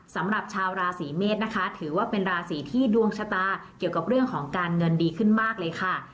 สำหรับชาวราศีเมษนะคะถือว่าเป็นราศีที่ดวงชะตาเกี่ยวกับเรื่องของการเงินดีขึ้นมากเลยค่ะ